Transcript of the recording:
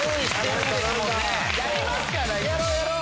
やりますから。